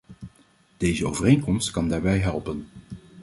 Deze overeenkomst kan daarbij helpen.